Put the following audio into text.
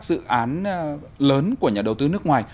dự án lớn của nhà đầu tư nước ngoài